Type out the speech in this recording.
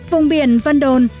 vùng biển vân đồn